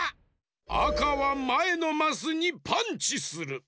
あかはまえのマスにパンチする！